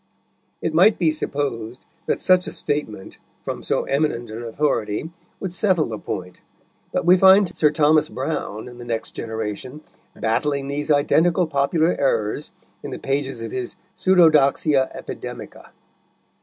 It might be supposed that such a statement, from so eminent an authority, would settle the point, but we find Sir Thomas Browne, in the next generation, battling these identical popular errors in the pages of his Pseudodoxia Epidemica.